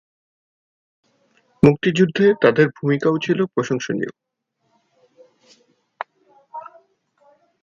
মুক্তিযুদ্ধে তাদের ভূমিকাও ছিল প্রশংসনীয়।